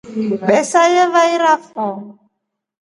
Besa yavairafu.